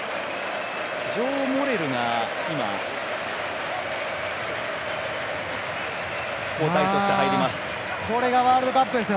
ジョー・モレルが交代として入ります。